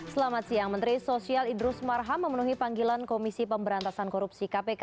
selamat siang menteri sosial idrus marham memenuhi panggilan komisi pemberantasan korupsi kpk